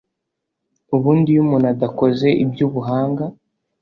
ubundi iyo umuntu adakoze iby’ubuhanga